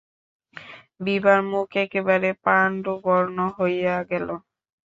বিভার মুখ একেবারে পাণ্ডুবর্ণ হইয়া গেল।